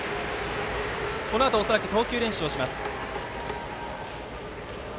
このあと恐らく投球練習をします。